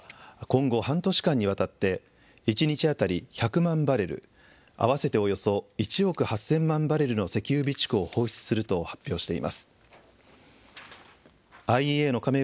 これに先立ってアメリカは今後、半年間にわたって一日当たり１００万バレル、合わせておよそ１億８０００万バレルの石油備蓄を放出すると発表しています。